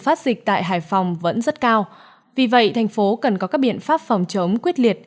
phát dịch tại hải phòng vẫn rất cao vì vậy thành phố cần có các biện pháp phòng chống quyết liệt